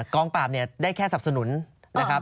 กองปราบเนี่ยได้แค่สับสนุนนะครับ